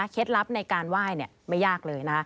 เคล็ดลับในการไหว้ไม่ยากเลย